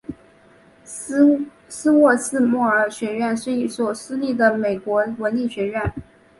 斯沃斯莫尔学院是一所私立的美国文理学院。